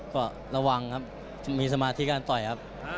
ก็ระวังครับมีสมาธิการต่อยครับ